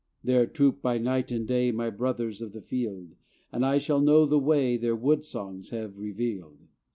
There troop by night and day My brothers of the field; And I shall know the way Their wood songs have revealed.